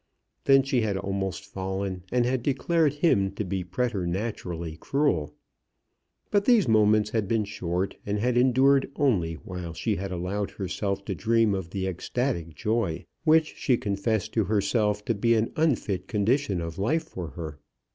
Then she had almost fallen, and had declared him to be preternaturally cruel. But these moments had been short, and had endured only while she had allowed herself to dream of the ecstatic joy, which she confessed to herself to be an unfit condition of life for her.